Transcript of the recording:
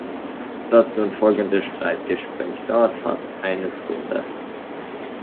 Das nun folgende Streitgespräch dauert fast eine Stunde.